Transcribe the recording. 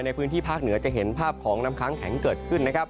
ในพื้นที่ภาคเหนือจะเห็นภาพของน้ำค้างแข็งเกิดขึ้นนะครับ